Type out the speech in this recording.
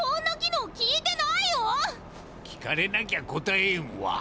聞かれなきゃ答えんわ。